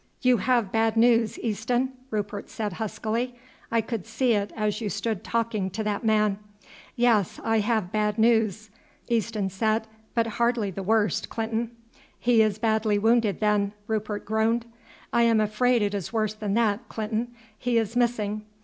"You have bad news, Easton," Rupert said huskily. "I could see it as you stood talking to that man." "Yes, I have bad news," Easton said, "but hardly the worst, Clinton." "He is badly wounded then," Rupert groaned. "I am afraid it is worse than that, Clinton; he is missing.